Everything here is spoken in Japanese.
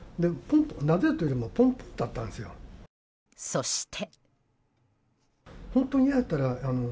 そして。